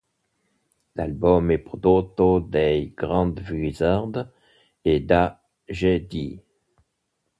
L'album è prodotto dai Grand Wizards e da Jay Dee.